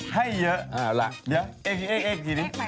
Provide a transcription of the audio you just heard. ให้เยอะเยอะเอ๊กจริง